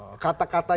ini maksudnya apa